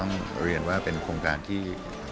เรียนว่าเป็นโครงการที่